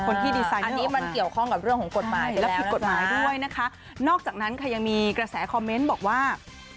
และผิดกฏหมายด้วยนอกจากนั้นมีกระแสคอมเม้นต์บอกว่า